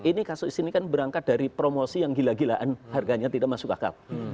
ini kasus ini kan berangkat dari promosi yang gila gilaan harganya tidak masuk akal